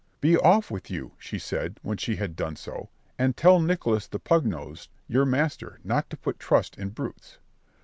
"Be off with you," she said, when she had done so; "and tell Nicholas the Pugnosed, your master, not to put trust in brutes."